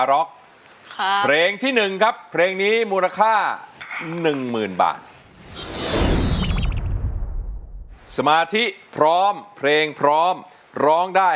เรียกพี่ได้มาเย็น